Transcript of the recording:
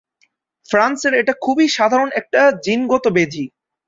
ফ্রান্সের এটা খুবই সাধারণ একটা জিনগত ব্যাধি।